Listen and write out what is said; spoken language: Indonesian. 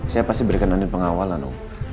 saya pasti berikan andin pengawalan om